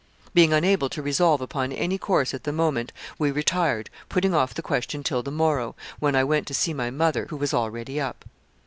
Being unable to resolve upon any course at the moment, we retired, putting off the question till the morrow, when I went to see my mother, who was already up.